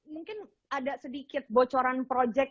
mungkin ada sedikit bocoran projek